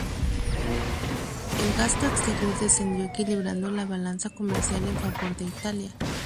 El gasto exterior descendió equilibrando la balanza comercial en favor de Italia.